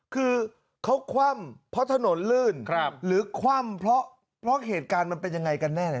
คือเขาคว่ำเพราะถนนลื่นหรือคว่ำเพราะเหตุการณ์มันเป็นยังไงกันแน่